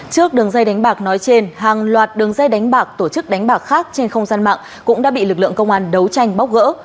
trước đường dây đánh bạc nói trên hàng loạt đường dây đánh bạc tổ chức đánh bạc khác trên không gian mạng cũng đã bị lực lượng công an đấu tranh bóc gỡ